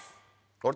あれ？